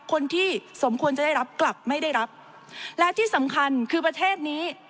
คนที่สมควรจะได้รับกลับไม่ได้รับและที่สำคัญคือประเทศนี้